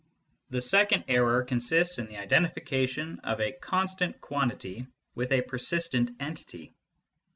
The second error consists in the identification of a constant quantity with a persistent entity.